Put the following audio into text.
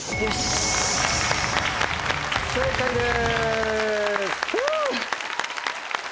正解です。